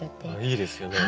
いいですよね。